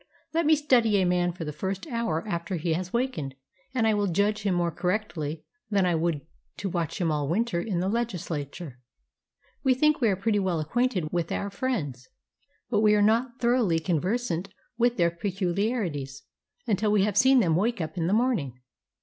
Let me study a man for the first hour after he has wakened and I will judge him more correctly than I would to watch him all winter in the Legislature. We think we are pretty well acquainted with our friends, but we are not thoroughly conversant with their peculiarities until we have seen them wake up in the morning.